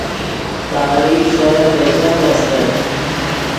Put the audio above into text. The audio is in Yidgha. تاری سیر دے چند استت